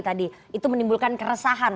tadi itu menimbulkan keresahan